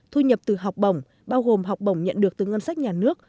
thu nhập từ học bổng bao gồm học bổng nhận được từ ngân sách nhà nước